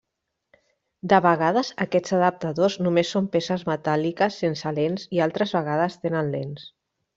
De vegades aquests adaptadors només són peces metàl·liques sense lents i altres vegades tenen lents.